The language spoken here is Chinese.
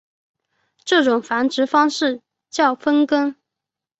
这种繁殖方式叫分根。